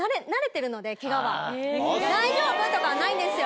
大丈夫？とかはないんですよ。